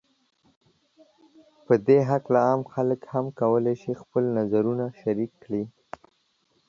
په دې هکله عام خلک هم کولای شي خپل نظرونو شریک کړي